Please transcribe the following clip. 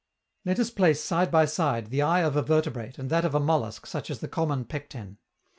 Let us place side by side the eye of a vertebrate and that of a mollusc such as the common Pecten.